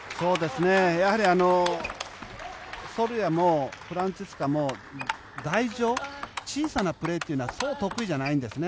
やはりソルヤもフランツィスカも台上、小さなプレーは得意じゃないんですね。